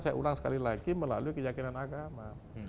saya ulang sekali lagi melalui keyakinan agama